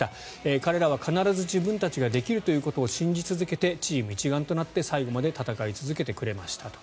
彼らは必ず自分たちができるということを信じ続けてチーム一丸となって最後まで戦い続けてくれましたと。